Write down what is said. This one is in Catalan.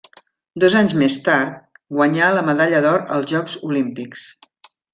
Dos anys més tard guanyà la medalla d'or als Jocs Olímpics.